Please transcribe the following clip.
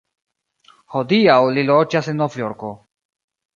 Hodiaŭ li loĝas en Novjorko.